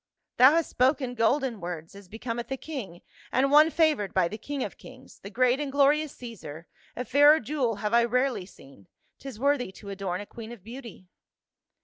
" Thou hast spoken golden words, as becometh a king and one favored by the king of kings — the great and glorious Caesar ; a fairer jewel hav^e I rarely seen ; 'tis worthy to adorn a queen of beauty."